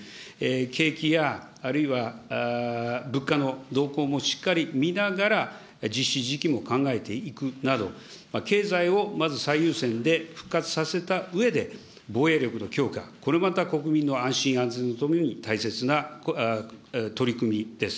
景気や、あるいは物価の動向もしっかり見ながら、実施時期も考えていくなど、経済をまず最優先で復活させたうえで防衛力の強化、これまた国民の安心、安全のために大切な取り組みです。